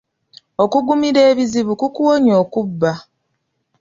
Okugumira ebizibu kukuwonya okubba.